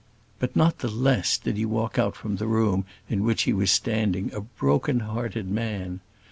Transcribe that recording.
But not the less did he walk out from the room in which he was standing a broken hearted man.